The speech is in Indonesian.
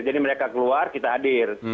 jadi mereka keluar kita hadir